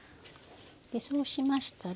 でそうしましたら。